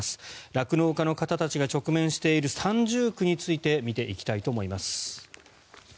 酪農家の方たちが直面している三重苦について見ていきたいと思います。